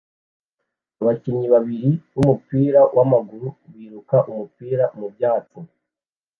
Abakinnyi babiri bumupira wamaguru biruka umupira mubyatsi